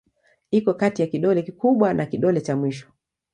Iko kati ya kidole kikubwa na kidole cha mwisho.